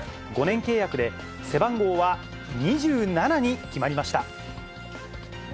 ５年契約で背番号は２７に決まりました。